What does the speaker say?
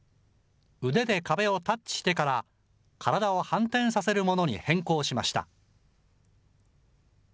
腕で壁をタッチしてから、体を反転させるものに変更しました。